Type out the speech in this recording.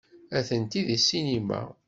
Atenti deg ssinima.